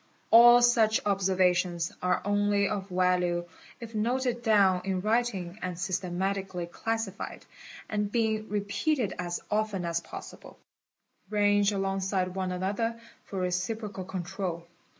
| All such observations are only of value if noted down in writing and | systematically classified, and, being repeated as often as possible, ranged — alongside one another for reciprocal control.